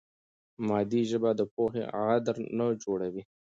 مادي ژبه د پوهې غدر نه جوړوي.